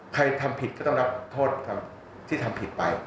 ทำผิดก็ต้องรับโทษที่ทำผิดไป